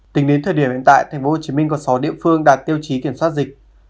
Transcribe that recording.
tính đến thời điểm hiện tại tp hcm có sáu địa phương đạt tiêu chí kiểm soát dịch